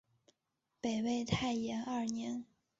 北魏太延二年。